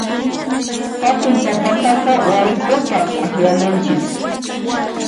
Hatun papataqa wayk'upaq akllananchis.